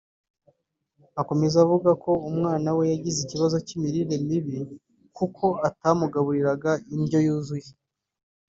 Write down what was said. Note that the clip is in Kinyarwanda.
Akomeza avuga ko uwo mwana we yagize ikibazo cy’imirire mibi kuko atamugaburiraga indyo yuzuye